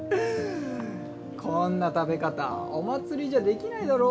こんな食べ方お祭りじゃできないだろ。